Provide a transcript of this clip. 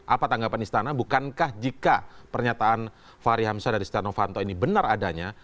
apa tanggapan istana bukankah jika pernyataan fahri hamzah dari setia novanto ini benar adanya